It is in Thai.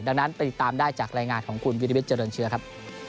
ดังนั้นไปติดตามได้จากรายงานของคุณวิริวิทยเจริญเชื้อครับ